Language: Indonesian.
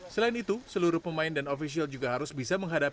selain itu seluruh pemain dan ofisial juga harus bisa menghadapi